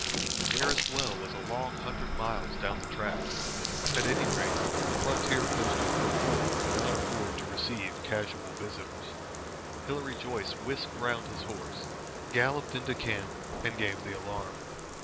The nearest well was a long hundred miles down the track. At any rate the frontier post of Kurkur could not afford to receive casual visitors. Hilary Joyce whisked round his horse, galloped into camp, and gave the alarm.